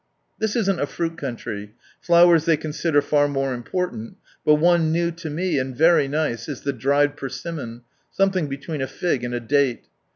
This isn't a fruit country, flowers they consider far more iraporunt, but one new to me, and very nice, is the dried persimmon, something between a fig and a date.